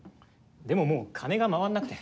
でももう金が回んなくて。